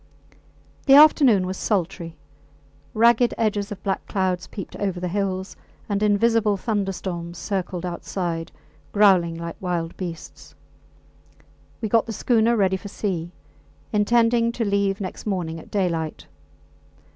The afternoon was sultry. Ragged edges of black clouds peeped over the hills, and invisible thunderstorms circled outside, growling like wild beasts. We got the schooner ready for sea, intending to leave next morning at daylight.